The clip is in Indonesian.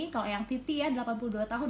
kalau eyang titik ya delapan puluh dua tahun